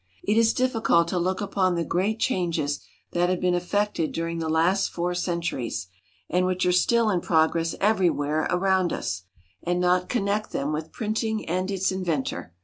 It is difficult to look upon the great changes that have been effected during the last four centuries, and which are still in progress everywhere around us, and not connect them with printing and its inventor.